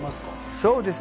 そうですね。